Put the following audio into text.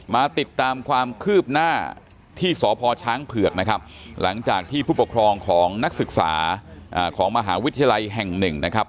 มาติดตามความคืบหน้าที่สพช้างเผือกนะครับหลังจากที่ผู้ปกครองของนักศึกษาของมหาวิทยาลัยแห่งหนึ่งนะครับ